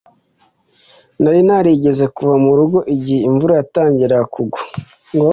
Nari narigeze kuva mu rugo igihe imvura yatangiraga kugwa